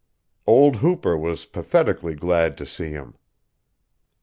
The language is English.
Old Hooper was pathetically glad to see him.